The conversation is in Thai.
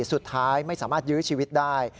สุดท้ายไม่สามารถยื้อชีวิตได้